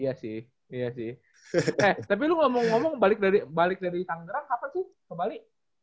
iya sih iya sih eh tapi lu ngomong ngomong balik dari tangderang apa tuh ke bali